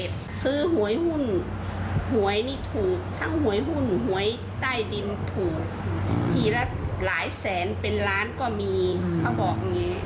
ทีละหลายแสนเป็นล้านก็มีเขาบอกอย่างนี้